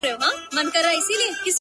تور او سور زرغون بیرغ رپاند پر لر او بر